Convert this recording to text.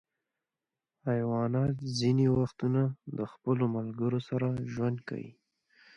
حیوانات ځینې وختونه د خپلو ملګرو سره ژوند کوي.